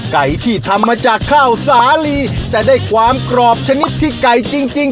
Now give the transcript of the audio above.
ไก่ที่ทำมาจากข้าวสาลีแต่ได้ความกรอบชนิดที่ไก่จริงจริง